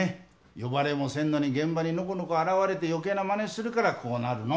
呼ばれもせんのに現場にのこのこ現れて余計なまねするからこうなるの。